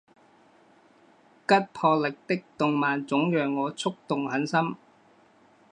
吉卜力的动漫总让我触动很深